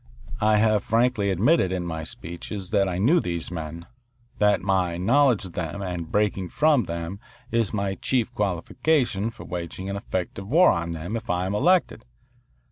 I have frankly admitted in=20my speeches that I knew these men, that my knowledge of them and breaking from them is my chief qualification for waging an effective war on them if I am elected.